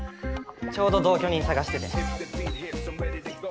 ちょうど同居人探してて。